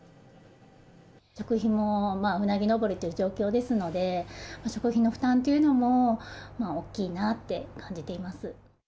食費もうなぎ登りという状況ですので、食費の負担というのも大きいなって感じています。